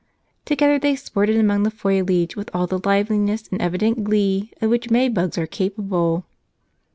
Together they sported among the foliage with all the liveliness and evident glee of which May bugs are capable.